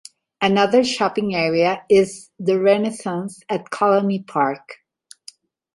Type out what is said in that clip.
Another shopping area is the Renaissance at Colony Park.